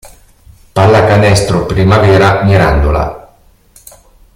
Pallacanestro Primavera Mirandola.